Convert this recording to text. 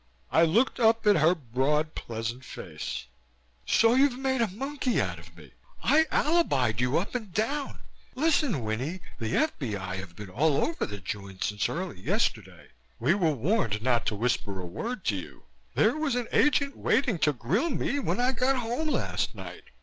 I looked up at her broad, pleasant face. "So you've made a monkey out of me. I alibied you up and down. Listen, Winnie, the F.B.I. have been all over the joint since early yesterday. We were warned not to whisper a word to you. There was an agent waiting to grill me when I got home last night.